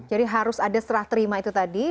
jadi harus ada serah terima itu tadi